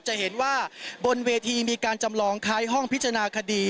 จะเห็นว่าบนเวทีมีการจำลองคล้ายห้องพิจารณาคดี